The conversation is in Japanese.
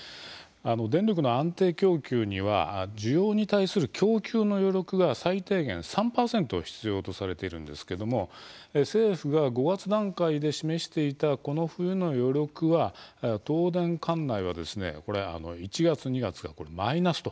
電力の安定供給には需要に対する供給の余力が最低限３％必要とされているんですけども政府が５月段階で示していたこの冬の余力は東電管内はですね１月２月がこれマイナスと。